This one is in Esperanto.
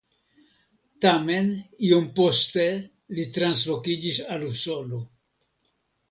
Tamen iom poste li translokiĝis al Usono.